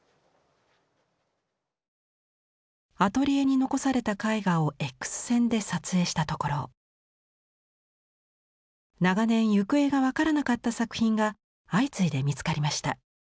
アトリエに残された絵画をエックス線で撮影したところ長年行方が分からなかった作品が相次いで見つかりました。